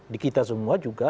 di kita semua juga